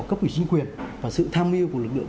cấp ủy chính quyền và sự tham mưu của lực lượng